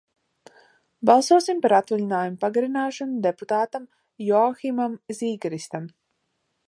Balsosim par atvaļinājuma pagarināšanu deputātam Joahimam Zīgeristam.